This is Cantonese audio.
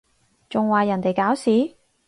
仲話人哋搞事？